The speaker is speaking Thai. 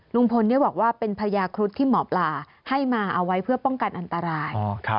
ลุงพลบอกว่าเป็นพญาครุฑที่หมอปลาให้มาเอาไว้เพื่อป้องกันอันตราย